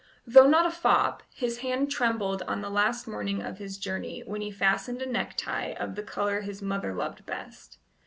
Though not a fop, his hand trembled on the last morning of his journey when he fastened a necktie of the colour his mother loved best.